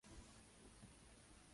Fue reemplazado por Mike D'Antoni.